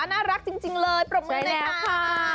น่ารักจริงเลยปรบมือนะครับใช่แล้วค่ะ